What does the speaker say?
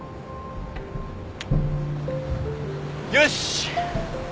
よし！